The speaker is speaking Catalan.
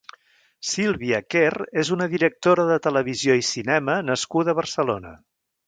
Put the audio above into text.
Sílvia Quer és una directora de televisió i cinema nascuda a Barcelona.